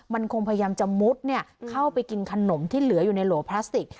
มันคงพยายามจะมุดเข้าไปกินขนมที่เหลืออยู่ในโหลพลาสติก